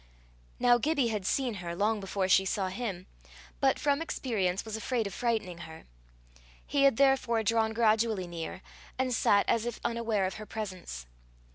Now Gibbie had seen her long before she saw him, but, from experience, was afraid of frightening her. He had therefore drawn gradually near, and sat as if unaware of her presence.